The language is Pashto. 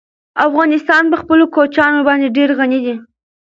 افغانستان په خپلو کوچیانو باندې ډېر غني دی.